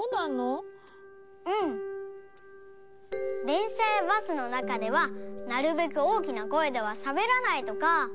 でんしゃやバスのなかではなるべく大きな声ではしゃべらないとか。